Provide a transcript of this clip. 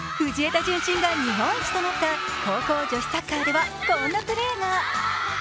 順心が日本一となった高校女子サッカーではこんなプレーが。